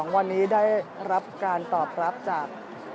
วันนี้ได้รับการตอบรับจาก